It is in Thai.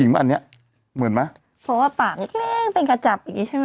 เพราะว่าปากมันแกล้งเป็นกระจับอีกใช่มั้ย